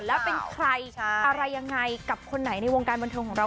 แล้วเป็นใครอะไรยังไงกับคนไหนในวงการบันเทิงของเรา